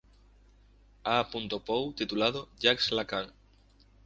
A. Poe" titulado ""Jacques Lacan.